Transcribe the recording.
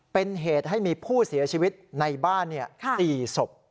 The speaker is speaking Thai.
เป็นเหตุให้มีผู้เสียชีวิตในบ้าน๔ศพ